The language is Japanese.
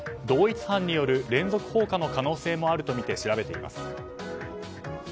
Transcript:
同一犯による連続放火の可能性もあるとみて調べています。